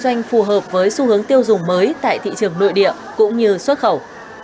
doanh phù hợp với xu hướng tiêu dùng mới tại thị trường nội địa cũng như xuất khẩu